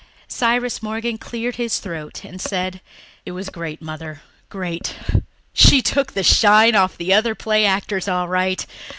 Cyrus Morgan cleared his throat and said, "It was great, Mother, great. She took the shine off the other play actors all right.